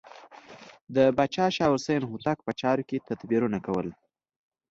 د پاچا شاه حسین هوتک په چارو کې تدبیرونه کول.